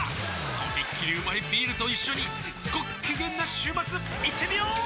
とびっきりうまいビールと一緒にごっきげんな週末いってみよー！